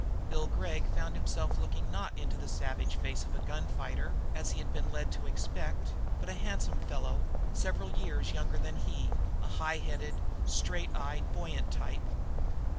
Bill Gregg found himself looking not into the savage face of such a gunfighter as he had been led to expect, but a handsome fellow, several years younger than he, a high headed, straight eyed, buoyant type.